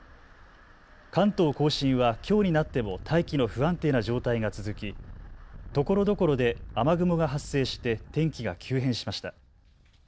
関東甲信はきょうになっても大気の不安定な状態が続きところどころで雨雲が発生して天気が急変しました。